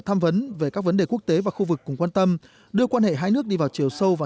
tham vấn về các vấn đề quốc tế và khu vực cùng quan tâm đưa quan hệ hai nước đi vào chiều sâu và